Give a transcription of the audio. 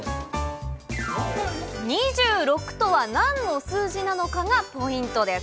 ２６とはなんの数字なのかがポイントです。